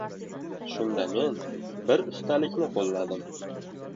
Shunda men, bir ustalikni qo‘lladim.